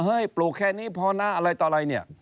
ปลูกแค่นี้พอนะอะไรต่ออะไรเนี่ย